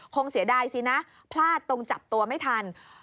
เสียดายสินะพลาดตรงจับตัวไม่ทัน